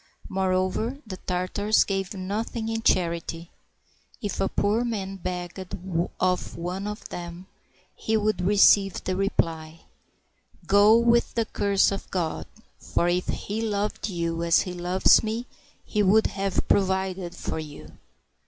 Moreover, the Tartars gave nothing in charity. If a poor man begged of one of them, he would receive the reply, " Go, with the curse of God; for if He loved you as He loves me. He would have provided for you."